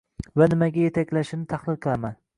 va nimaga yetaklashini tahlil qilaman.